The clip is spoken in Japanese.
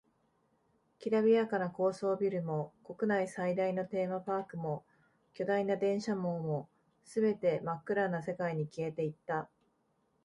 きらびやかな高層ビルも、国内最大のテーマパークも、巨大な電車網も、全て真っ暗な世界に消えていった。